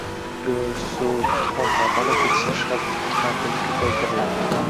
Go‘sht, sut, tuxum va baliq yetishtirish hajmi ikki martaga ko‘paytiriladi.